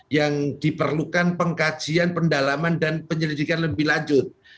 yang diperlukan pengkajian pendalaman dan penyelidikan lebih lanjut